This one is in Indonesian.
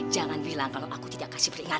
jangan bilang kalau aku tidak kasih peringatan